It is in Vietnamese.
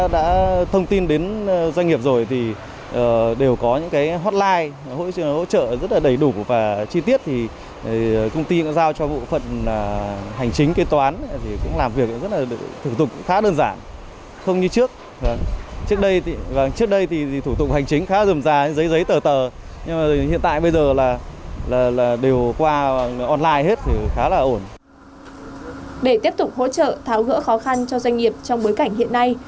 để tiếp tục hỗ trợ tháo gỡ khó khăn cho doanh nghiệp trong bối cảnh hiện nay